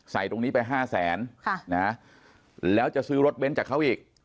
ตรงนี้ไป๕แสนแล้วจะซื้อรถเบ้นจากเขาอีก